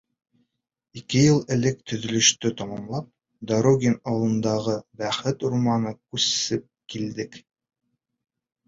— Ике йыл элек төҙөлөштө тамамлап, Дорогин ауылындағы Бәхет урамына күсеп килдек.